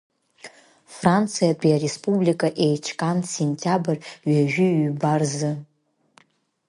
Франциатәи ареспублика еиҿкаан сентиабр ҩажәи ҩба рзы.